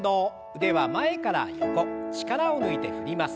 腕は前から横力を抜いて振ります。